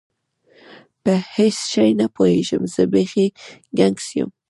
په هیڅ شي نه پوهېږم، زه بیخي ګنګس یم.